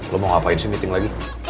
lo mau ngapain sih meeting lagi